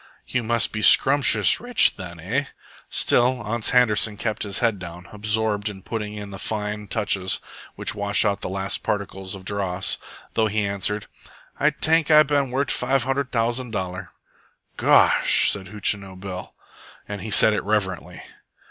"You must be scrumptious rich, then, eh?" Still Ans Handerson kept his head down, absorbed in putting in the fine touches which wash out the last particles of dross, though he answered, "Ay tank Ay ban wort' five hundred t'ousand dollar." "Gosh!" said Hootchinoo Bill, and he said it reverently.